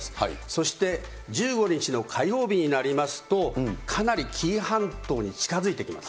そして１５日の火曜日になりますと、かなり紀伊半島に近づいてきます。